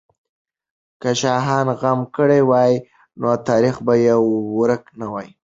که شاهانو غم کړی وای، نو تاریخ به یې ورک نه وای.